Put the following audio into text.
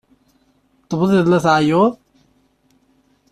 Tebdiḍ la tɛeyyuḍ?